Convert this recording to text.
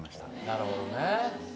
なるほどね。